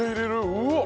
うわっ！